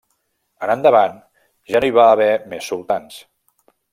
En endavant ja no hi va haver més sultans.